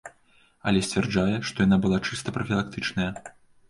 Але сцвярджае, што яна была чыста прафілактычная.